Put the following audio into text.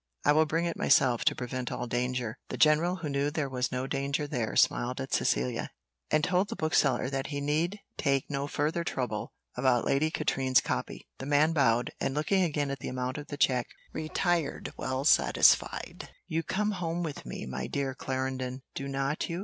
I will bring it myself, to prevent all danger." The general, who knew there was no danger there, smiled at Cecilia, and told the bookseller that he need take no further trouble about Lady Katrine's copy; the man bowed, and looking again at the amount of the cheque, retired well satisfied. "You come home with me, my dear Clarendon, do not you?"